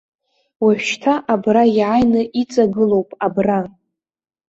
Уажәшьҭа абра иааины иҵагылоуп, абра!